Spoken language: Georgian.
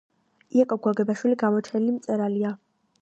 იაკობ გოგებაშვილი გამოჩენილი მწერალია